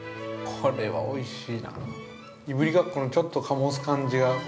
◆これはおいしい。